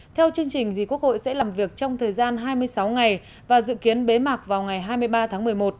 theo chương trình quốc hội sẽ làm việc trong thời gian hai mươi sáu ngày và dự kiến bế mạc vào ngày hai mươi ba tháng một mươi một